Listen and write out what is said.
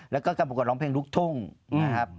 แล้วก็การประกวดร้องเพลงลูกทุ่งนะครับ